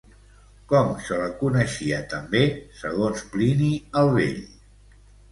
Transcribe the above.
Com se la coneixia també segons Plini el Vell?